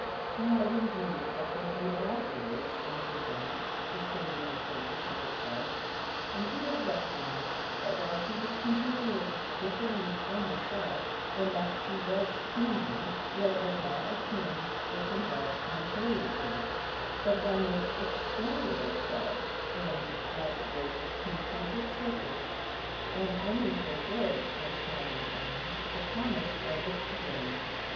She might, indeed, have been able afterwards, on looking back, to say many things of herself; and she would have recognised that while she was continually differing from herself, in that she was changing, yet it was not a change which involved contrariety, but one which expanded itself in (as it were) concentric circles, and only fulfilled, as time went on, the promise of its beginning.